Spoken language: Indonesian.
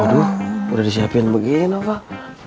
waduh udah disiapin begini noh fah